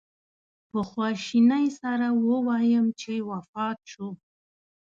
په خواشینۍ سره ووایم چې وفات شو.